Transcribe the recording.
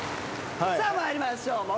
さあ参りましょう。